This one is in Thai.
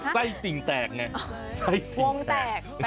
ไส้ติ่งแตกไงไส้ทงแตก